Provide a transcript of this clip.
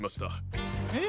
えっ？